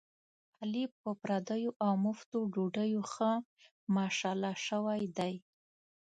علي په پردیو اومفتو ډوډیو ښه ماشاءالله شوی دی.